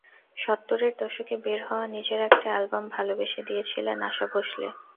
সত্তরের দশকে বের হওয়া নিজের একটা অ্যালবাম ভালোবেসে দিয়েছিলেন আশা ভোঁসলে।